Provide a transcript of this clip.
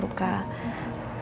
luka ringan aja